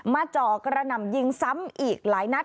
จ่อกระหน่ำยิงซ้ำอีกหลายนัด